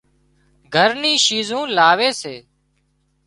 گھر ني شيزون لاوي سي